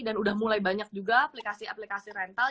dan udah mulai banyak juga aplikasi aplikasi rental